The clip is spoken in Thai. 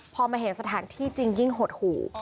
พอมาเห็นสถานที่จริงยิ่งหดหู่